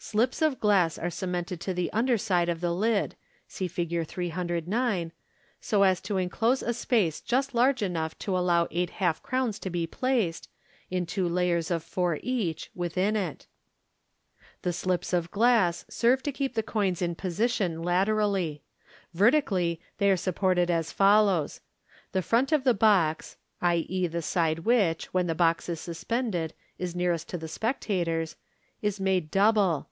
Slips of glass are cemented to the under side of the lid (see Fig. 309), so as to inclose a space just large enough to allow eight half crowns to be placed, in two layers SUB Fig. 309. MODERN MAGIC. 491 of four each, within it. The slips of glass serve to keep the coins in position laterally. Vertically, they are supported as follows :— The front of the box (i.e., the side which, when the box is suspended, is nearest to the spectators) is made double.